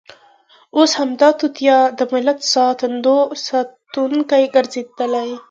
اوس همدا توطیه د ملت ساتونکې ګرځېدلې.